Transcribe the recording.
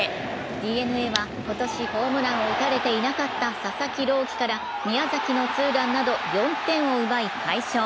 ＤｅＮＡは今年、ホームランを打たれていなかった佐々木朗希から宮崎のツーランなど４点を奪い、快勝。